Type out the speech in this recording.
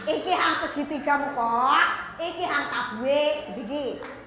ini yang segitiga muka ini yang tabwe ini